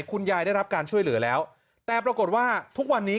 ได้รับการช่วยเหลือแล้วแต่ปรากฏว่าทุกวันนี้